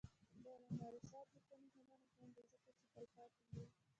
د علامه رشاد لیکنی هنر مهم دی ځکه چې تلپاتې دی.